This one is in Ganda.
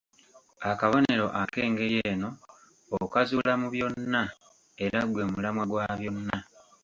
Akabonero ak'engeri eno okazuula mu byonna era gwe mulamwa gwa byonna.